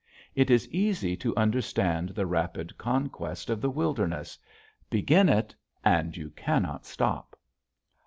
It is easy to understand the rapid conquest of the wilderness; begin it and you cannot stop.